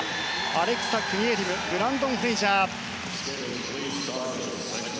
アレクサ・クニエリムブランドン・フレイジャー。